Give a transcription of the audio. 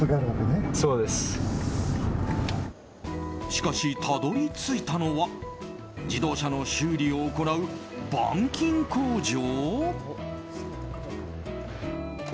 しかし、たどり着いたのは自動車の修理を行う板金工場？